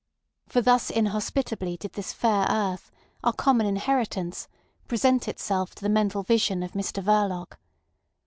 For thus inhospitably did this fair earth, our common inheritance, present itself to the mental vision of Mr Verloc.